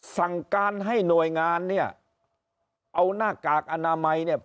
สั่งการให้หน่วยงานเนี่ยเอาหน้ากากอนามัยเนี่ย